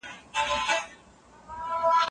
موږ د سياست په اړه نوي معلومات شریکوو.